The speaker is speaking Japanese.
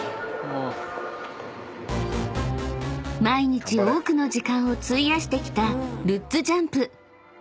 ［毎日多くの時間を費やしてきたルッツジャンプ］